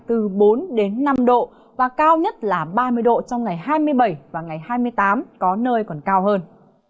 từ bốn đến năm độ và cao nhất là ba mươi độ trong ngày hai mươi bảy và ngày hai mươi tám có nơi còn cao hơn